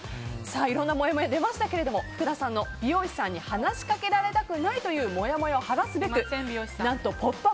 いろんなもやもや出ましたが福田さんの美容師さんに話しかけられたくないというもやもやを晴らすべく何と「ポップＵＰ！」